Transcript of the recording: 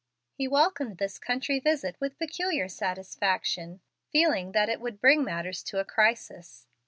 He welcomed this country visit with peculiar satisfaction, feeling that it would bring matters to a crisis.